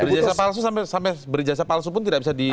berjasa palsu sampai berijasa palsu pun tidak bisa di